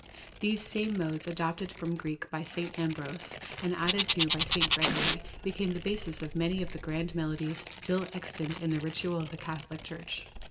These same modes, adopted from the Greek by St. Ambrose and added to by St. Gregory, became the basis of many of the grand melodies still extant in the ritual of the Catholic Church.